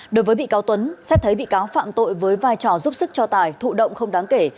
đối với bị cáo tuấn xét thấy bị cáo phạm tội với vai trò giúp sức cho tài thụ động không đáng kể